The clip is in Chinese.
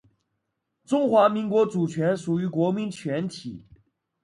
中华民国主权属于国民全体